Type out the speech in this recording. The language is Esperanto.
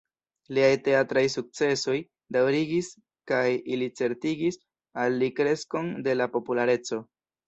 Liaj teatraj sukcesoj daŭrigis kaj ili certigis al li kreskon de la populareco.